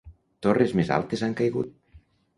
Torres més altes han caigut.